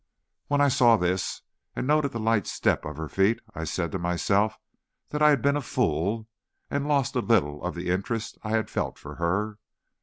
When I saw this, and noted the light step of her feet, I said to myself that I had been a fool, and lost a little of the interest I had felt for her.